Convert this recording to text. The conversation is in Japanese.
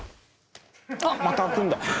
あっまた開くんだ！